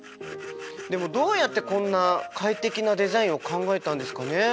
でもどうやってこんな快適なデザインを考えたんですかね？